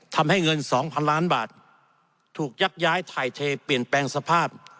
ทำให้เงิน๒๐๐๐ล้านบาทถูกยักย้ายถ่ายเทเปลี่ยนแปลงสภาพ